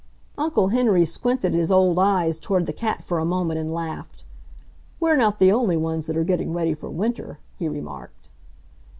Uncle Henry squinted his old eyes toward the cat for a moment and laughed. "We're not the only ones that are getting ready for winter," he remarked.